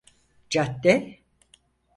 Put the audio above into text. Cadde…